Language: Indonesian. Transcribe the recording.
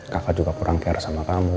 kakak juga kurang care sama kamu